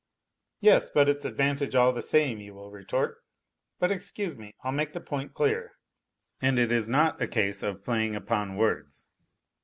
" Yes, but it's advantage all the same " you will retort. But excuse me, I'll make the point clear, and it is not a case of playing upon words.